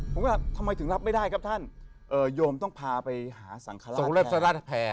ผมก็ทำไมถึงรับไม่ได้ครับท่านโยมต้องพาไปหาสังฆราชทรงเลิศราชแพร